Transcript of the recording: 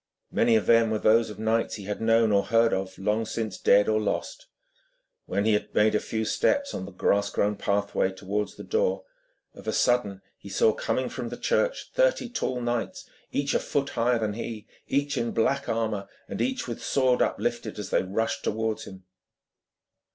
Many of them were those of knights he had known or heard of, long since dead or lost. When he had made a few steps on the grass grown pathway towards the door, of a sudden he saw, coming from the church, thirty tall knights, each a foot higher than he, each in black armour, and each with sword uplifted, as they rushed towards him.